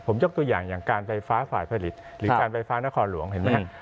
ผมยกตัวอย่างอย่างการไฟฟ้าฝ่ายผลิตหรือการไฟฟ้านครหลวงเห็นไหมครับ